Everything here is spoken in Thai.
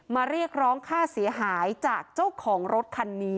เรียกร้องค่าเสียหายจากเจ้าของรถคันนี้